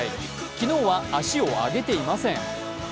昨日は足を上げていません。